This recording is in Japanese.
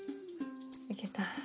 いけた。